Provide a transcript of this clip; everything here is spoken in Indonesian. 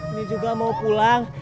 ini juga mau pulang